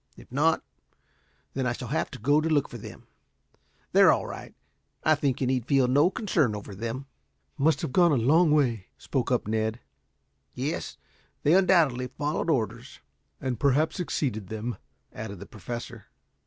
If not, then I shall go out to look for them. They're all right. I think you need feel no concern over them." "Must have gone a long way," spoke up Ned. "Yes, they undoubtedly followed orders." "And perhaps exceeded them," added the Professor.